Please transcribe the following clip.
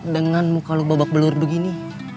dengan muka lu babak belur begini